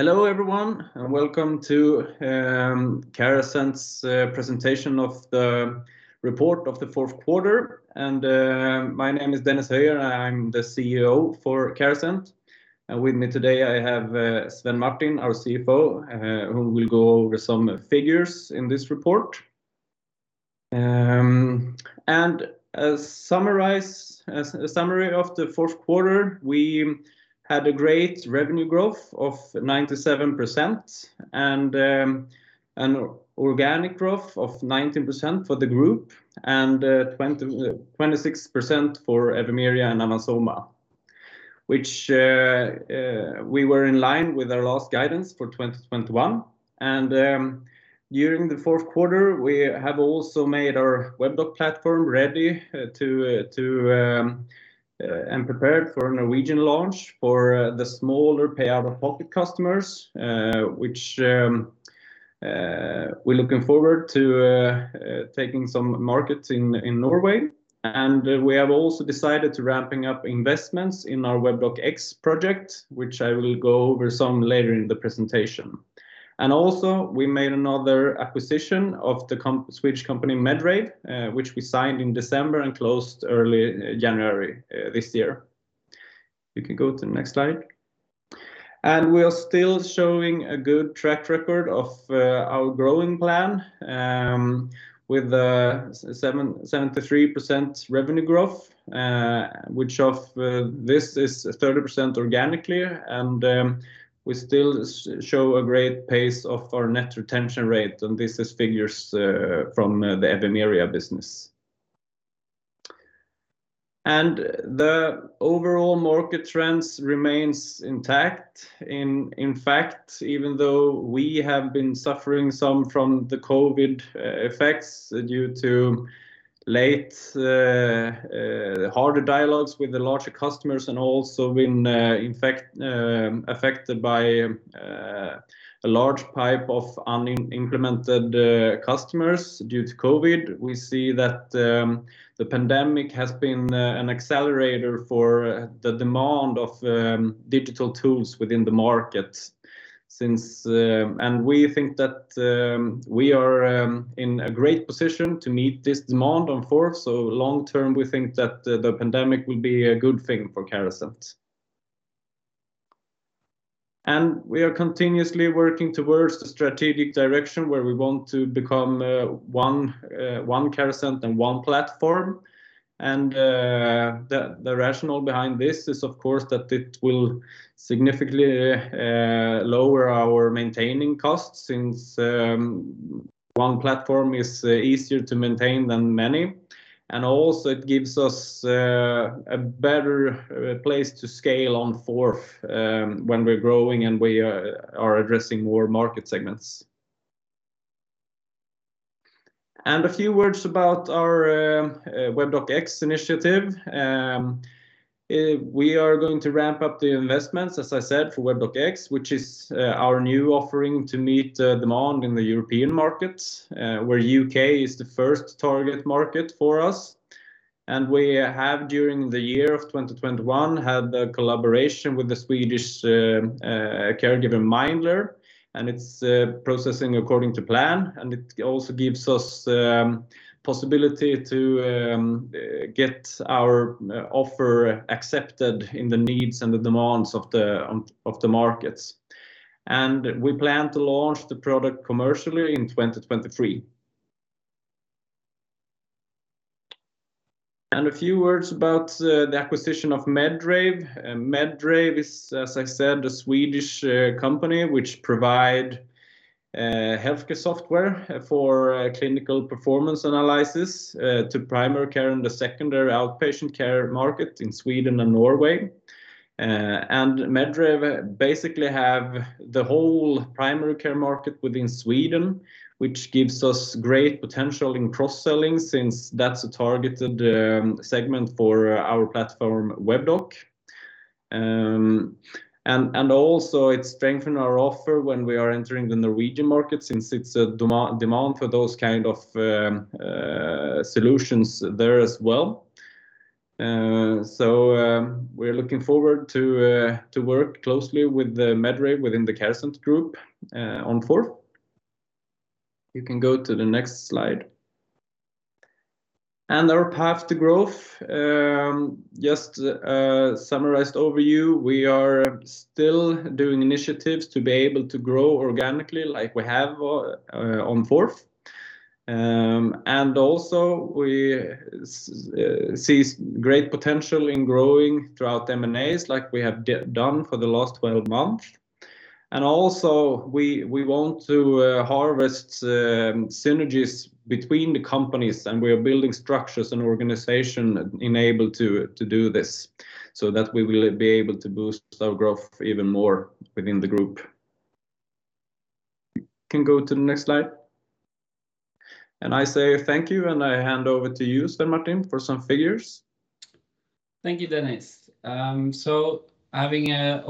Hello everyone, and welcome to Carasent's presentation of the report of the fourth quarter. My name is Dennis Höjer, and I'm the CEO for Carasent. With me today I have Svein Martin, our CFO, who will go over some figures in this report. As a summary of the fourth quarter, we had a great revenue growth of 97% and an organic growth of 90% for the group and 26% for Evimeria and Avans Soma, which we were in line with our last guidance for 2021. During the fourth quarter we have also made our Webdoc platform ready and prepared for a Norwegian launch for the smaller pay-out-of-pocket customers, which we're looking forward to taking some markets in Norway. We have also decided to ramping up investments in our Webdoc X project, which I will go over some later in the presentation. We made another acquisition of the Swedish company Medrave, which we signed in December and closed early January this year. You can go to the next slide. We are still showing a good track record of our growing plan with 73% revenue growth, of which 30% organically. We still show a great pace of our net retention rate, and this is figures from the Evimeria business. The overall market trends remain intact. In fact, even though we have been suffering some from the COVID effects due to later harder dialogues with the larger customers and also been affected by a large pipeline of unimplemented customers due to COVID. We see that the pandemic has been an accelerator for the demand of digital tools within the market. We think that we are in a great position to meet this demand in Q4. Long term we think that the pandemic will be a good thing for Carasent. We are continuously working towards the strategic direction where we want to become one Carasent and one platform. The rationale behind this is of course that it will significantly lower our maintenance costs since one platform is easier to maintain than many. Also it gives us a better place to scale from when we're growing and we are addressing more market segments. A few words about our Webdoc X initiative. We are going to ramp up the investments, as I said, for Webdoc X, which is our new offering to meet the demand in the European markets, where U.K. is the first target market for us. We have during the year of 2021 had a collaboration with the Swedish caregiver Mindler, and it's processing according to plan, and it also gives us possibility to get our offer accepted in the needs and the demands of the markets. We plan to launch the product commercially in 2023. A few words about the acquisition of Medrave. Medrave is, as I said, a Swedish company which provide healthcare software for clinical performance analysis to primary care and the secondary outpatient care market in Sweden and Norway. Medrave basically have the whole primary care market within Sweden, which gives us great potential in cross-selling since that's a targeted segment for our platform Webdoc. Also it strengthen our offer when we are entering the Norwegian market since it's a demand for those kind of solutions there as well. So we're looking forward to work closely with the Medrave within the Carasent Group, going forward. You can go to the next slide. Our path to growth, just summarized overview, we are still doing initiatives to be able to grow organically like we have, going forward. We see great potential in growing through M&As like we have done for the last 12 months. We want to harvest synergies between the companies, and we are building structures and organization enable to do this so that we will be able to boost our growth even more within the group. You can go to the next slide. I say thank you, and I hand over to you, Sven Martin, for some figures. Thank you, Dennis. Having an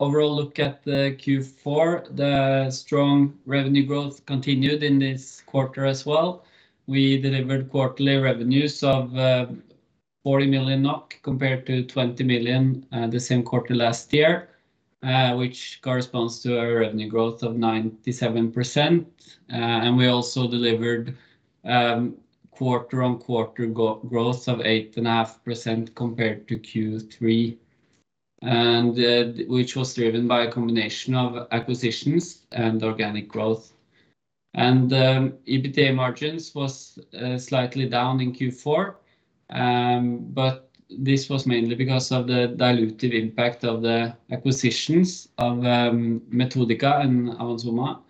overall look at the Q4, the strong revenue growth continued in this quarter as well. We delivered quarterly revenues of 40 million NOK compared to 20 million the same quarter last year, which corresponds to a revenue growth of 97%. We also delivered quarter-on-quarter growth of 8.5% compared to Q3, which was driven by a combination of acquisitions and organic growth. EBITDA margins was slightly down in Q4. This was mainly because of the dilutive impact of the acquisitions of Metodika and Avans Soma,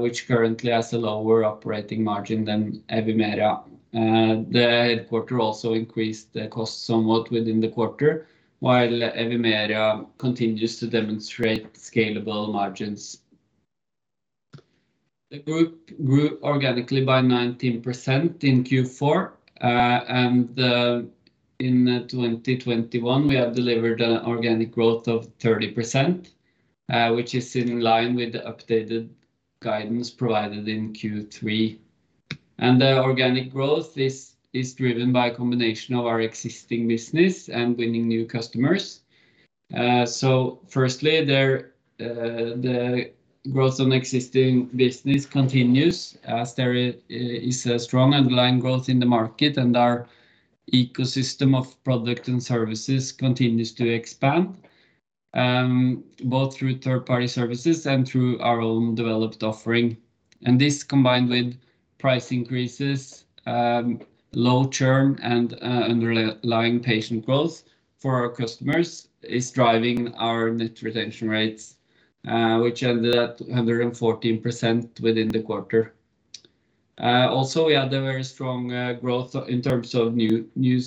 which currently has a lower operating margin than Evimeria. The headquarters also increased the cost somewhat within the quarter, while Evimeria continues to demonstrate scalable margins. The group grew organically by 19% in Q4. In 2021, we have delivered an organic growth of 30%, which is in line with the updated guidance provided in Q3. The organic growth is driven by a combination of our existing business and winning new customers. Firstly, the growth on existing business continues as there is a strong underlying growth in the market, and our ecosystem of product and services continues to expand both through third-party services and through our own developed offering. This combined with price increases, low churn and underlying patient growth for our customers is driving our net retention rates, which ended at 214% within the quarter. Also, we had a very strong growth in terms of new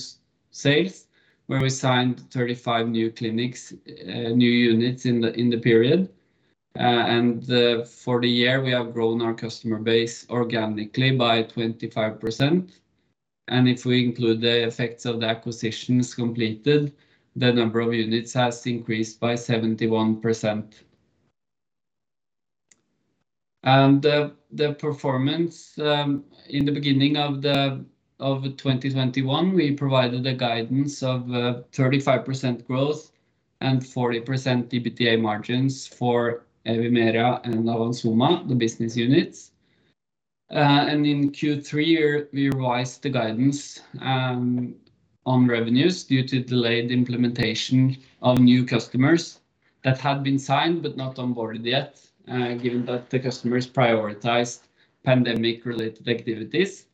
sales, where we signed 35 new clinics, units in the period. For the year, we have grown our customer base organically by 25%. If we include the effects of the acquisitions completed, the number of units has increased by 71%. The performance in the beginning of 2021, we provided a guidance of 35% growth and 40% EBITDA margins for Evimeria and Avans Soma, the business units. In Q3, we revised the guidance on revenues due to delayed implementation of new customers that had been signed but not onboarded yet, given that the customers prioritized pandemic-related activities.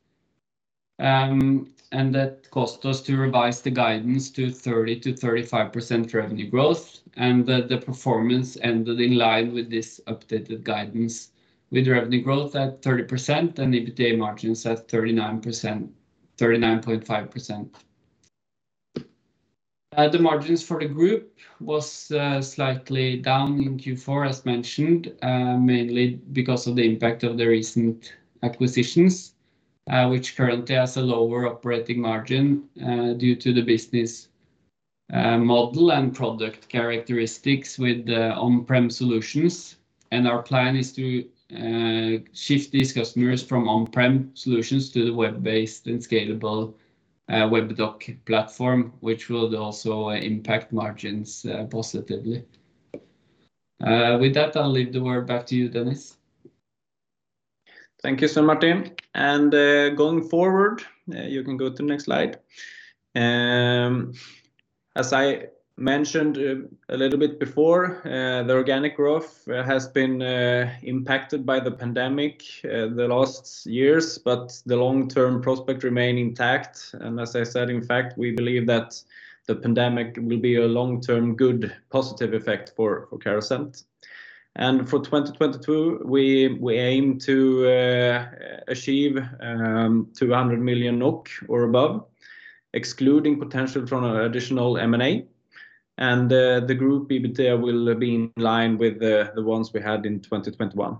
That caused us to revise the guidance to 30%-35% revenue growth, and the performance ended in line with this updated guidance with revenue growth at 30% and EBITDA margins at 39%, 39.5%. The margins for the group was slightly down in Q4 as mentioned, mainly because of the impact of the recent acquisitions, which currently has a lower operating margin, due to the business model and product characteristics with the on-prem solutions. Our plan is to shift these customers from on-prem solutions to the web-based and scalable Webdoc platform, which will also impact margins positively. With that, I'll leave the word back to you, Dennis. Thank you, so Martin. Going forward, you can go to the next slide. As I mentioned a little bit before, the organic growth has been impacted by the pandemic the last years, but the long-term prospect remain intact. As I said, in fact, we believe that the pandemic will be a long-term good positive effect for Carasent. For 2022, we aim to achieve 200 million NOK or above, excluding potential from additional M&A. The group EBITDA will be in line with the ones we had in 2021.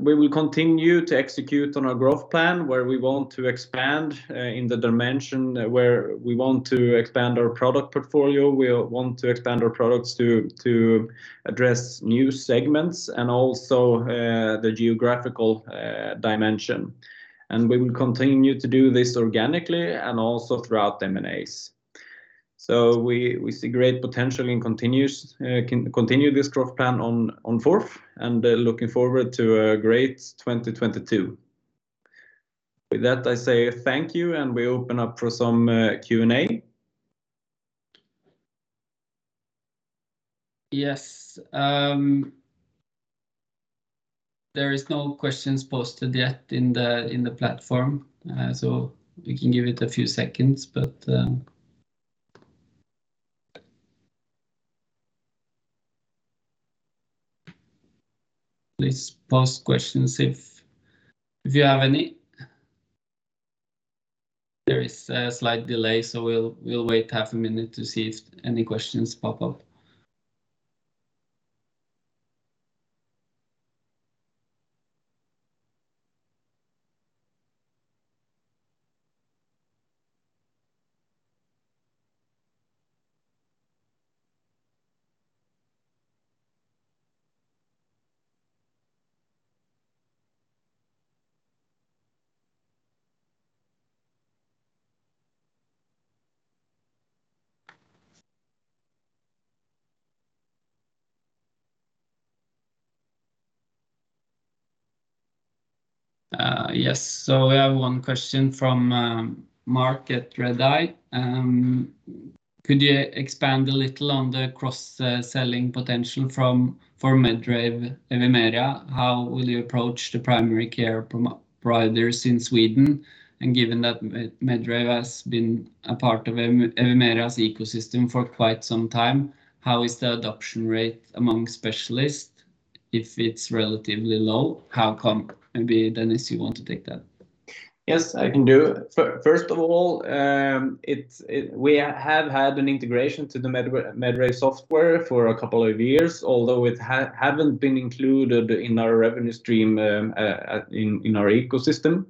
We will continue to execute on our growth plan, where we want to expand in the dimension where we want to expand our product portfolio. We want to expand our products to address new segments and also the geographical dimension. We will continue to do this organically and also throughout M&As. We see great potential in continuing this growth plan in Q4 and looking forward to a great 2022. With that, I say thank you, and we open up for some Q&A. Yes. There is no questions posted yet in the platform, so we can give it a few seconds, but please post questions if you have any. There is a slight delay, so we'll wait half a minute to see if any questions pop up. Yes. We have one question from Mark at Redeye. Could you expand a little on the cross selling potential for Medrave, Evimeria? How will you approach the primary care providers in Sweden? Given that Medrave has been a part of Evimeria's ecosystem for quite some time, how is the adoption rate among specialists? If it's relatively low, how come? Maybe Dennis, you want to take that. Yes, I can do. First of all, we have had an integration to the Medrave software for a couple of years, although it hasn't been included in our revenue stream, in our ecosystem.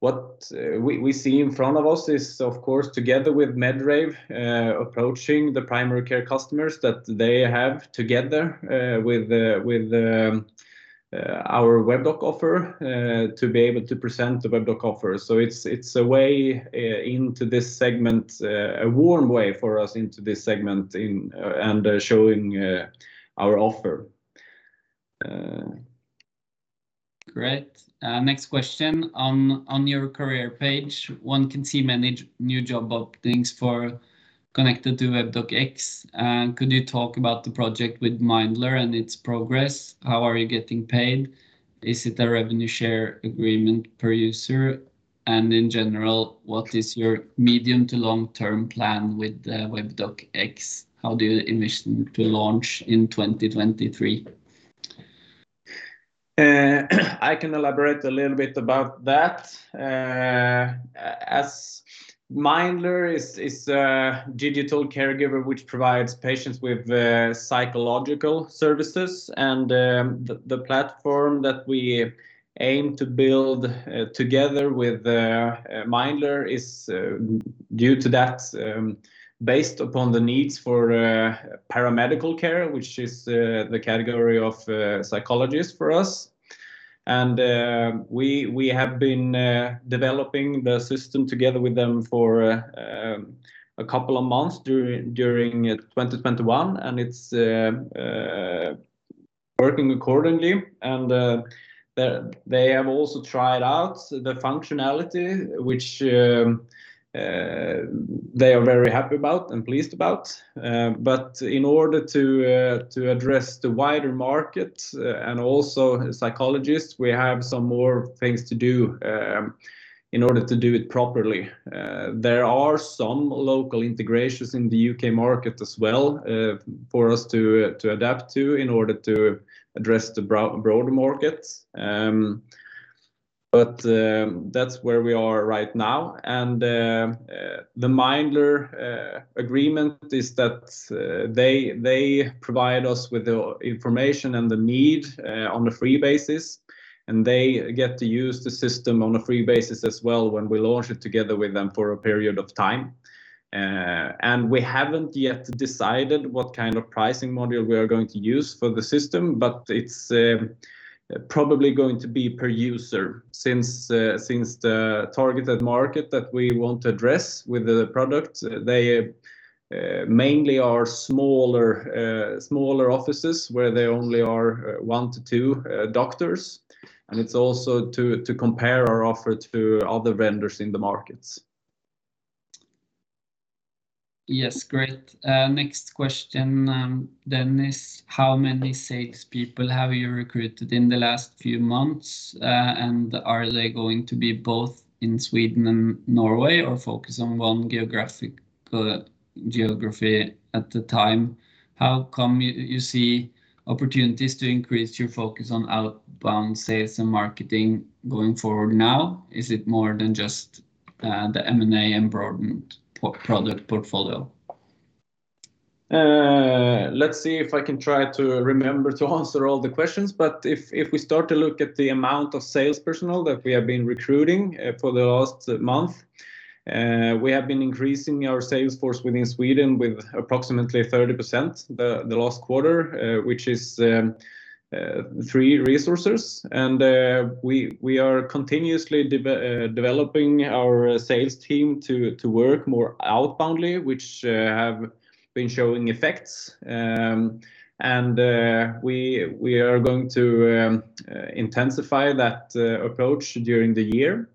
What we see in front of us is, of course, together with Medrave, approaching the primary care customers that they have, together with our Webdoc offer, to be able to present the Webdoc offer. It's a way into this segment, a warm way for us into this segment, showing our offer. Great. Next question. On your career page, one can see many new job openings connected to Webdoc X. Could you talk about the project with Mindler and its progress? How are you getting paid? Is it a revenue share agreement per user? In general, what is your medium- to long-term plan with the Webdoc X? How do you envision to launch in 2023? I can elaborate a little bit about that. As Mindler is a digital caregiver which provides patients with psychological services. The platform that we aim to build together with Mindler is due to that based upon the needs for paramedical care, which is the category of psychologists for us. We have been developing the system together with them for a couple of months during 2021, and it's working accordingly. They have also tried out the functionality, which they are very happy about and pleased about. In order to address the wider market and also psychologists, we have some more things to do in order to do it properly. There are some local integrations in the U.K. market as well, for us to adapt to in order to address the broader markets. That's where we are right now. The Mindler agreement is that they provide us with the information and the need on a free basis, and they get to use the system on a free basis as well when we launch it together with them for a period of time. We haven't yet decided what kind of pricing model we are going to use for the system, but it's probably going to be per user since the targeted market that we want to address with the product, they mainly are smaller offices where there only are one to two doctors. It's also to compare our offer to other vendors in the markets. Yes. Great. Next question, Dennis. How many sales people have you recruited in the last few months? Are they going to be both in Sweden and Norway, or focus on one geography at the time? How come you see opportunities to increase your focus on outbound sales and marketing going forward now? Is it more than just the M&A and broadened product portfolio? Let's see if I can try to remember to answer all the questions. If we start to look at the amount of sales personnel that we have been recruiting for the last month, we have been increasing our sales force within Sweden with approximately 30% the last quarter, which is three resources. We are continuously developing our sales team to work more outboundly, which have been showing effects. We are going to intensify that approach during the year.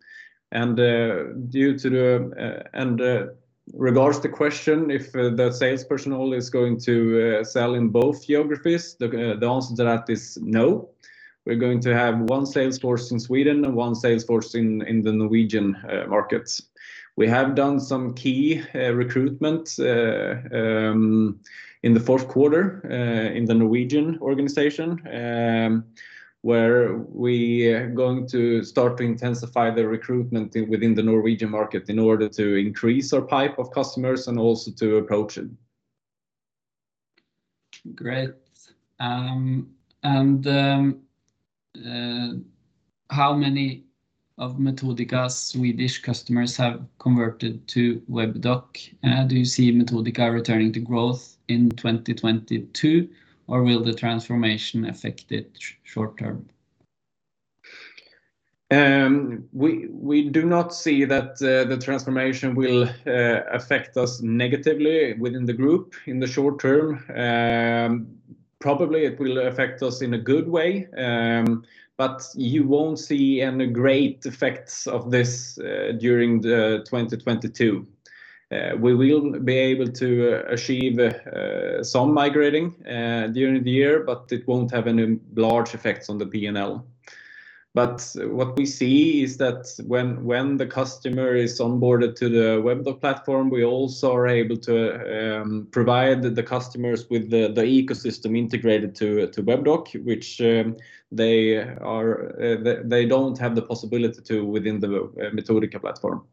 In regards to the question if the sales personnel is going to sell in both geographies, the answer to that is no. We're going to have one sales force in Sweden and one sales force in the Norwegian markets. We have done some key recruitment in the fourth quarter in the Norwegian organization where we are going to start to intensify the recruitment within the Norwegian market in order to increase our pipeline of customers and also to approach them. Great. How many of Metodika Swedish customers have converted to Webdoc? Do you see Metodika returning to growth in 2022, or will the transformation affect it short-term? We do not see that the transformation will affect us negatively within the group in the short term. Probably it will affect us in a good way, but you won't see any great effects of this during 2022. We will be able to achieve some migrating during the year, but it won't have any large effects on the P&L. What we see is that when the customer is onboarded to the Webdoc platform, we also are able to provide the customers with the ecosystem integrated to Webdoc, which they don't have the possibility to within the Metodika platform.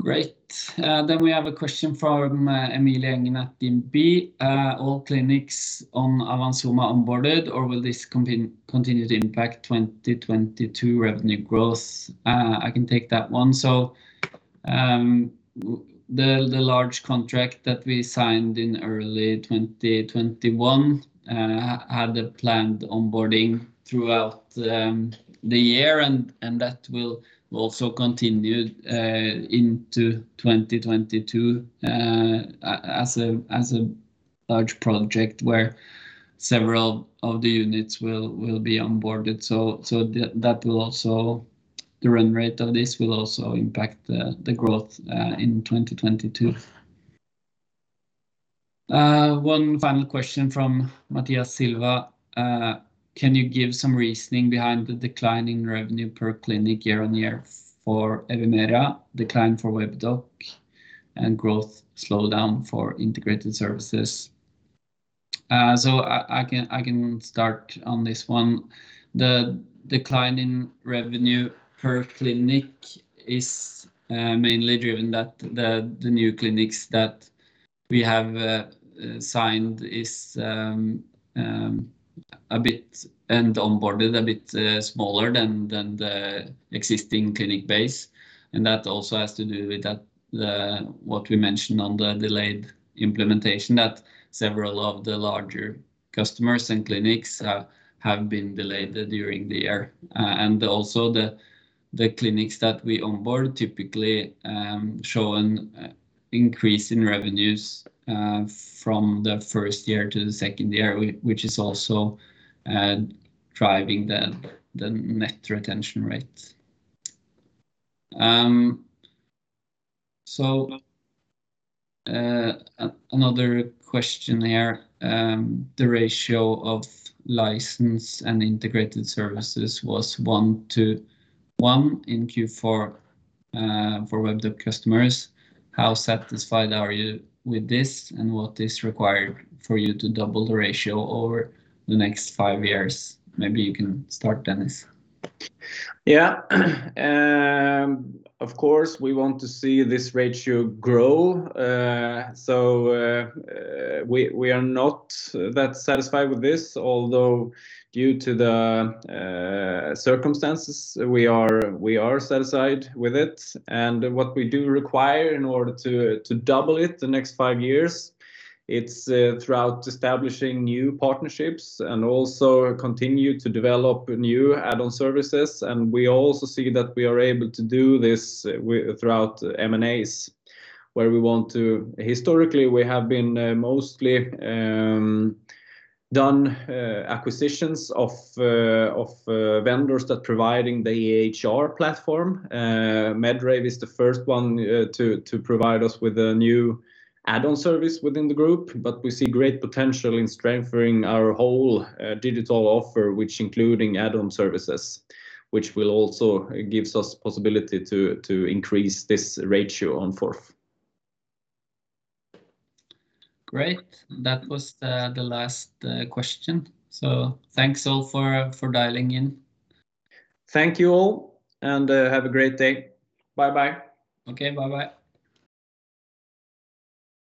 Great. We have a question from Emilia Enginatti in B. All clinics on Avans Soma onboarded, or will this continue to impact 2022 revenue growth? I can take that one. The large contract that we signed in early 2021 had a planned onboarding throughout the year and that will also continue into 2022 as a large project where several of the units will be onboarded. The run rate of this will also impact the growth in 2022. One final question from Matthias Silva. Can you give some reasoning behind the declining revenue per clinic year-on-year for Evimeria, decline for Webdoc, and growth slowdown for integrated services? I can start on this one. The decline in revenue per clinic is mainly driven by the new clinics that we have signed and onboarded a bit smaller than the existing clinic base. That also has to do with what we mentioned about the delayed implementation that several of the larger customers and clinics have been delayed during the year. The clinics that we onboard typically show an increase in revenues from the first year to the second year, which is also driving the net retention rates. Another question there. The ratio of license and integrated services was 1 to 1 in Q4 for Webdoc customers. How satisfied are you with this, and what is required for you to double the ratio over the next five years? Maybe you can start, Dennis. Yeah. Of course, we want to see this ratio grow. We are not that satisfied with this, although due to the circumstances, we are satisfied with it. What we do require in order to double it the next five years, it's through establishing new partnerships and also continue to develop new add-on services. We also see that we are able to do this through M&As, where we want to. Historically, we have been mostly doing acquisitions of vendors that provide the EHR platform. Medrave is the first one to provide us with a new add-on service within the group. We see great potential in strengthening our whole digital offer, which including add-on services, which will also gives us possibility to increase this ratio in Q4. Great. That was the last question. Thanks all for dialing in. Thank you all, and have a great day. Bye-bye. Okay. Bye-bye.